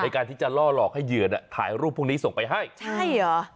การที่จะล่อหลอกให้เหยื่อน่ะถ่ายรูปพวกนี้ส่งไปให้ใช่เหรอ